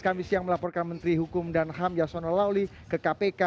kami siang melaporkan menteri hukum dan ham yasona lawli ke kpk